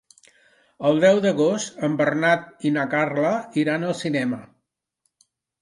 El deu d'agost en Bernat i na Carla iran al cinema.